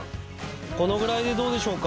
このぐらいでどうでしょうか？